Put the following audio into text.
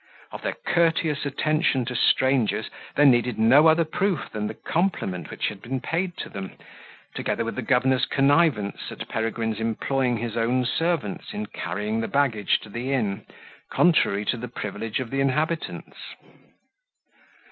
Of their courteous attention to strangers, there needed no other proof than the compliment which had been paid to them, together with the governor's connivance at Peregrine's employing his own servants in carrying the baggage to the inn, contrary to the privilege of the inhabitants.